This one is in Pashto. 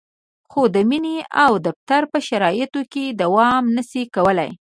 خو د مینې او د دفتر په شرایطو کې دوام نشي کولای.